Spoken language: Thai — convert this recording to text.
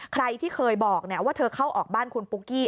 ใครที่เคยบอกว่าเธอเข้าออกบ้านคุณปุ๊กกี้